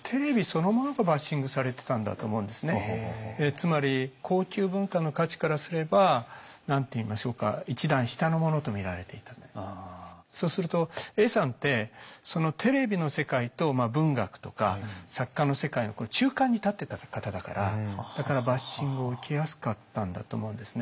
つまりそうすると永さんってそのテレビの世界と文学とか作家の世界の中間に立ってた方だからだからバッシングを受けやすかったんだと思うんですね。